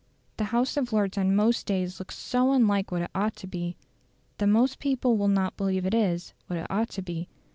The House of Lords on most days looks so unlike what it ought to be, that most people will not believe it is what it ought to be.